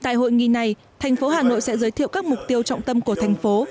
tại hội nghị này thành phố hà nội sẽ giới thiệu các mục tiêu trọng tâm của thành phố